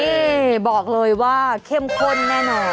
นี่บอกเลยว่าเข้มข้นแน่นอน